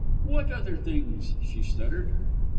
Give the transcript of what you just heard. "'What other things?' she stuttered.